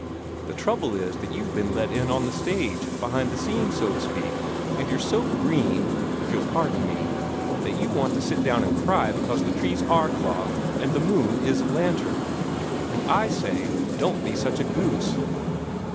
The trouble is that you've been let in on the stage, behind the scenes, so to speak, and you're so green if you'll pardon me that you want to sit down and cry because the trees ARE cloth, and the moon IS a lantern. And I say, don't be such a goose!"